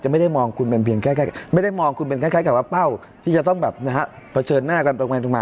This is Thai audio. ไม่ได้มองคุณเป็นแค่กับเป้าที่จะต้องเผชิญหน้ากัน